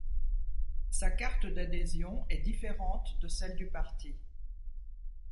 Sa carte d'adhésion est différente de celle du parti.